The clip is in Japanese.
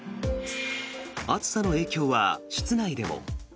暑さの影響は室内でも。